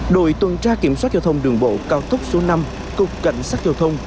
đội tuần tra kiểm soát giao thông đường bộ cao tốc số năm cục cảnh sát giao thông